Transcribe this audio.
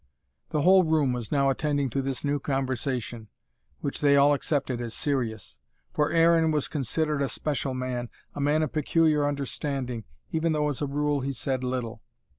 The whole room was now attending to this new conversation: which they all accepted as serious. For Aaron was considered a special man, a man of peculiar understanding, even though as a rule he said little.